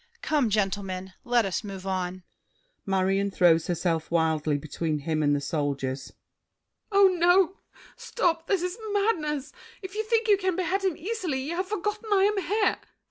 Come, gentlemen! Let us move on! MARION (throws herself wildly between him and the Soldiers). Oh, no! Stop! This is madness! If you think you can behead him easily, You have forgotten I am here.